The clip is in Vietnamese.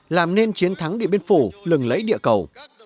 các nước phủ lừng lẫy địa cầu